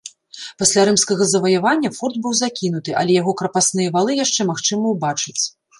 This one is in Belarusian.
Пасля рымскага заваявання форт быў закінуты, але яго крапасныя валы яшчэ магчыма ўбачыць.